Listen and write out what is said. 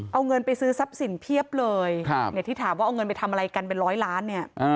เอาเงินไปซื้อทรัพย์สินเพียบเลยที่ถามว่าเอาเงินไปทำอะไรกันเป็นร้อยล้านเนี่ย